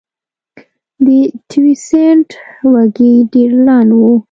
د تیوسینټ وږی ډېر لنډ و.